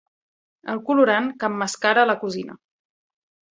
El colorant que emmascara la cosina.